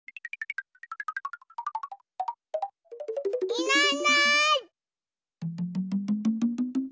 いないいない。